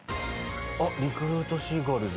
あっリクルートシーガルズ。